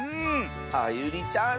あゆりちゃん